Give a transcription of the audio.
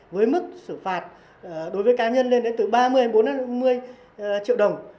với mức xử phạt đối với cá nhân lên đến từ ba mươi đến bốn mươi triệu đồng